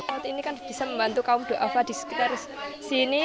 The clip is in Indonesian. waktu ini kan bisa membantu kaum do'a di sekitar sini